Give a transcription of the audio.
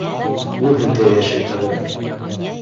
Ул һеҙҙә йәшәй хәҙер.